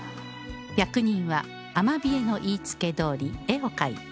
役人はアマビエの言いつけどおり絵を描いた